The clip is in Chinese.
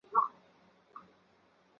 浦河站日高本线上的站。